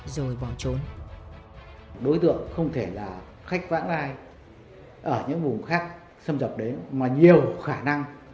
rồi bỏ trốn